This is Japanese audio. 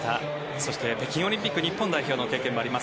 そして北京オリンピック日本代表の経験もあります